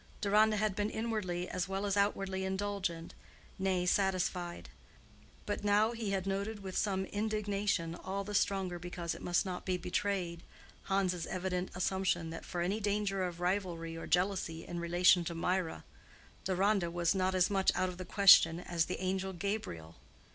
Deronda had been inwardly as well as outwardly indulgent—nay, satisfied. But now he had noted with some indignation, all the stronger because it must not be betrayed, Hans's evident assumption that for any danger of rivalry or jealousy in relation to Mirah, Deronda was not as much out of the question as the angel Gabriel.